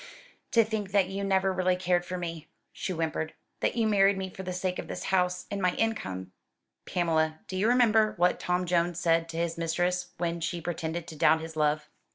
"To think that you never really cared for me!" she whimpered; "that you married me for the sake of this house, and my income!" "Pamela, do you remember what Tom Jones said to his mistress when she pretended to doubt his love?"